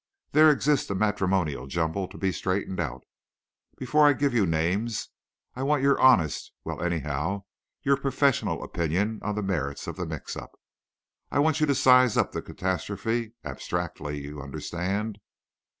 There exists a matrimonial jumble to be straightened out. But before I give you names I want your honest—well, anyhow, your professional opinion on the merits of the mix up. I want you to size up the catastrophe—abstractly—you understand?